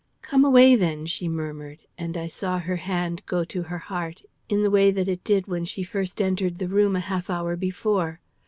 "Come away then!" she murmured; and I saw her hand go to her heart, in the way it did when she first entered the room a half hour before.